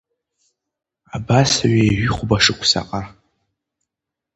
Абас ҩажәи хәба шықәсаҟа.